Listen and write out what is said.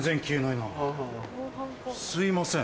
すいません。